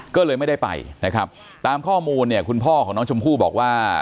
ก็เลยไม่ได้ไปตามข้อมูลคุณพ่อของน้องชมพู่บอกว่า